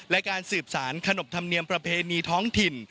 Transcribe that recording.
และการสืบสารขนบธรรมเนียมประเพณีท้องถิ่น